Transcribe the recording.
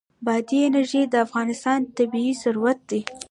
بادي انرژي د افغانستان طبعي ثروت دی.